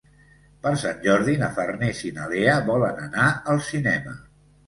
Per Sant Jordi na Farners i na Lea volen anar al cinema.